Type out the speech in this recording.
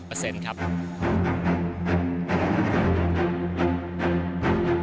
ดูประเทศการสมัย